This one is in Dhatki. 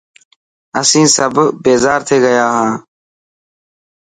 اسين سب بيزار ٿي گيا هان.